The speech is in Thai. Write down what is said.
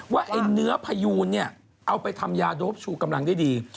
ว่าเนื้อพยูนเอาไปทำยาโดบชูกำลังได้ดี